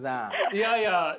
いやいや。